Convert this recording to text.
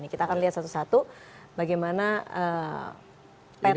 kita akan lihat satu satu bagaimana